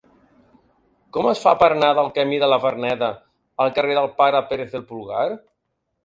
Com es fa per anar del camí de la Verneda al carrer del Pare Pérez del Pulgar?